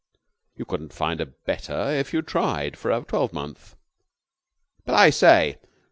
You couldn't find a better if you tried for a twelvemonth." "But, I say